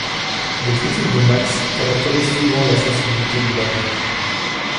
Les critiques de Max caractérisent souvent la sensibilité du Larry.